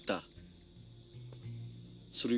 serta di dalam kaki bukit